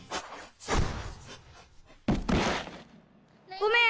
ごめん。